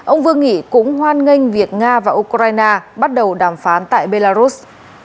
ông vương nghị cũng hoan nghênh việc nga và ukraine bắt đầu đàm phán tại belarus